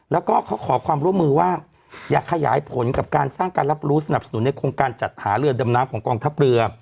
แล้วก็เขาขอความร่วมมือว่าอย่าขยายผลกับการสร้างการรับรู้สนับสนุนในโครงการจัดหาเรือดำน้ำของกองทัพเรือ